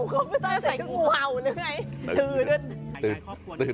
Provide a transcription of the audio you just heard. เขาไม่ต้องใส่งูเห่าหรือไง